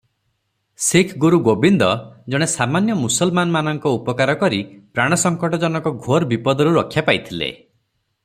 ଶିଖଗୁରୁ ଗୋବିନ୍ଦ ଜଣେ ସାମାନ୍ୟ ମୁସଲମାନଙ୍କ ଉପକାର କରି ପ୍ରାଣସଙ୍କଟ ଜନକ ଘୋର ବିପଦରୁ ରକ୍ଷା ପାଇଥିଲେ ।